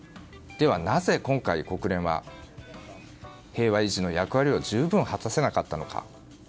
では、なぜ今回、国連は平和維持の役割を十分、果たせなかったのか。